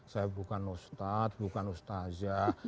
saya bukan ustadz bukan ustazah